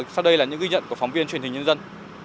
sau đây là những ghi nhận của phóng viên truyền hình nhân dân